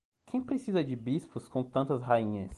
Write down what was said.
Quem precisa de bispos com tantas rainhas?